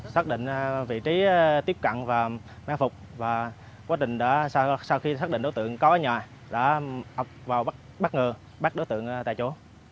xác định vị trí tiếp cận và mang phục và quá trình sau khi xác định đối tượng có ở nhà đã bắt đối tượng tại chỗ